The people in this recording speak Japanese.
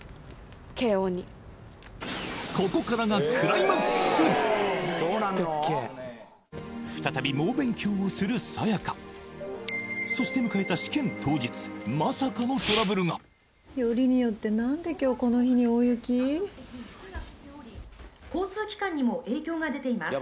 慶應に再び猛勉強をするさやかそして迎えた試験当日まさかのトラブルがよりによって何で今日この日に大雪交通機関にも影響が出ています